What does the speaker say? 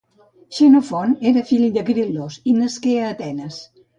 Xenofont era fill de Gril·los, i nasqué a Atenes